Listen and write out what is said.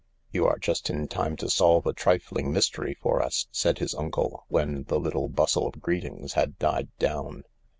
" You are just in time to solve a trifling mystery for us," said his uncle, when the little bustle of greetings had died down.